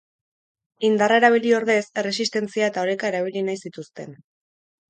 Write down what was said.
Indarra erabili ordez, erresistentzia eta oreka erabili nahi zituzten.